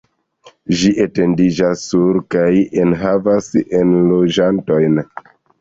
Ĝi etendiĝas sur kaj enhavas enloĝantojn.